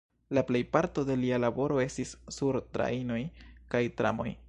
La plejparto de lia laboro estis sur trajnoj kaj tramoj.